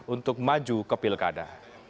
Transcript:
untuk maju ke pilkada